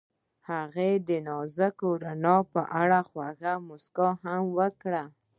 هغې د نازک رڼا په اړه خوږه موسکا هم وکړه.